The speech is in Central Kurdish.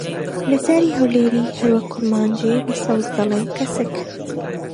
لە زاری هەولێری، هەروەک کورمانجی، بە سەوز دەڵێن کەسک.